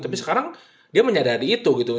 tapi sekarang dia menyadari itu gitu